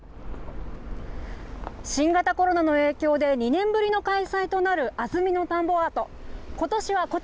新型コロナの影響で、２年ぶりの開催となる安曇野田んぼアート。